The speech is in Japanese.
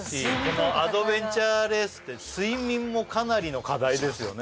このアドベンチャーレースって睡眠もかなりの課題ですよね